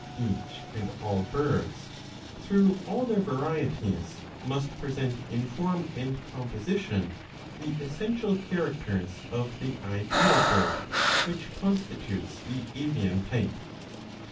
Each and all birds, through all their varieties, must present in form and composition ^ the essential characters of the ideal bird which constitutes the avian type.